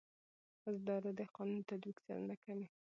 اداره د قانون د تطبیق څارنه کوي.